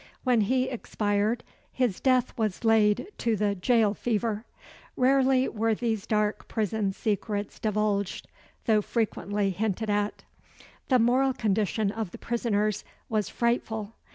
When he expired, his death was laid to the jail fever. Rarely were these dark prison secrets divulged, though frequently hinted at. The moral condition of the prisoners was frightful.